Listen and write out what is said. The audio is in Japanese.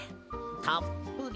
たっぷりと。